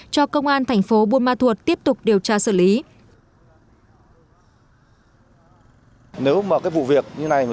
cho công an thành phố buôn ma thuột tiếp tục điều tra xử lý